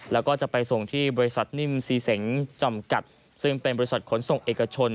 แล้วก็จะไปส่งที่บริษัทนิ่มซีเสงจำกัดซึ่งเป็นบริษัทขนส่งเอกชน